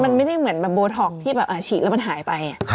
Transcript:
มันไม่ได้เหมือนแบบโบท็อกที่แบบฉีดแล้วมันหายไป